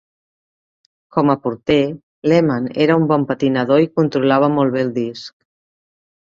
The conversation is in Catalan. Com a porter, Lehman era un bon patinador i controlava molt bé el disc.